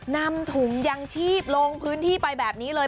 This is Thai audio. นำถุงยังชีพลงพื้นที่ไปแบบนี้เลย